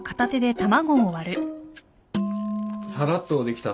さらっとできたな。